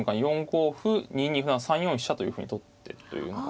４五歩２二歩成３四飛車というふうに取ってというのが。